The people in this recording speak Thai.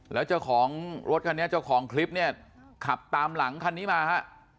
แล้วเจ้าของรถคันนี้เจ้าของคลิปเนี่ยขับตามหลังคันนี้มาฮะ